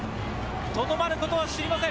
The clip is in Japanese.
とどまることを知りません。